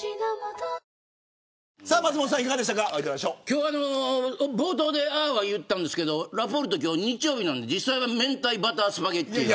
今日は冒頭でああは言いましたけどラ・ポルトは今日、日曜日なんで実際は明太バタースパゲッティ。